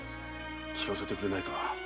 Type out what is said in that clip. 聞かせてくれないか？